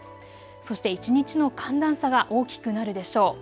そして一日の寒暖差が大きくなるでしょう。